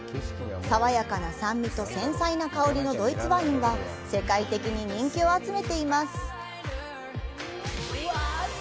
爽やかな酸味と繊細な香りのドイツワインは世界的に人気を集めています。